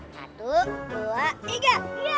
satu dua tiga